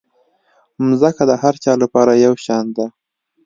مځکه د هر چا لپاره یو شان ده.